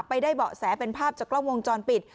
ได้เบาะแสเป็นภาพจากกล้องวงจรปิด